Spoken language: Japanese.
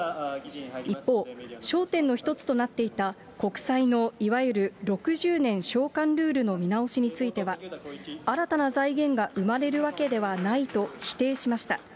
一方、焦点の一つとなっていた国債のいわゆる６０年償還ルールの見直しについては、新たな財源が生まれるわけではないと否定しました。